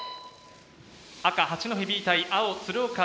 赤八戸Ｂ対青鶴岡Ｂ。